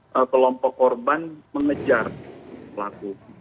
akhirnya kelompok korban mengejar pelaku